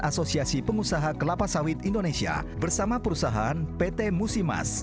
asosiasi pengusaha kelapa sawit indonesia bersama perusahaan pt musimas